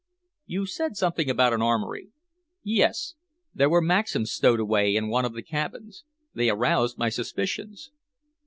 "You said something about an armory." "Yes, there were Maxims stowed away in one of the cabins. They aroused my suspicions."